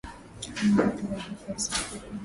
Hana mali wala pesa.